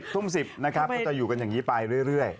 ทุ่ม๑๐นะครับก็จะอยู่กันอย่างนี้ไปเรื่อย